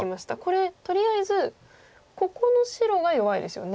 これとりあえずここの白が弱いですよね。